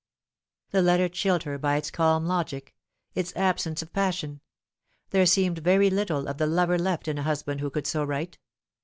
The letter chilled her by its calm logic its absence of passion. There seemed very little of the lover left in a husband who could so write.